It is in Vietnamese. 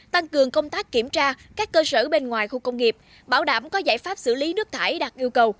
tăng cường công tác kiểm tra các cơ sở bên ngoài khu công nghiệp bảo đảm có giải pháp xử lý nước thải đạt yêu cầu